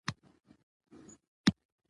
هر افسانه اوس تاريخ ګڼل کېږي.